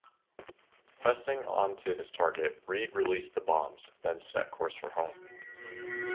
Pressing on to his target, Reid released the bombs, then set course for home.